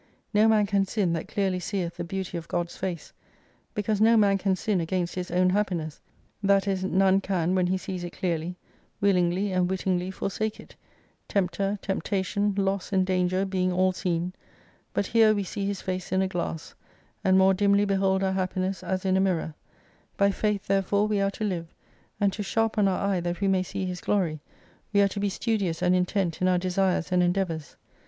No man can sin that clearly seeth the beauty of God's face : because no man can sin against his own happiness, that ^is, none can when he sees it clearly, willingly, and wittingly forsake it, tempter, temptation, loss, and danger being all seen : but here we see His face in a glass, and more dimly behold our happiness as in a mirror ; by faith therefore we are to live, and to sharpen our eye that we may see His glory, we are to be studious and intent in our desires and endeavours.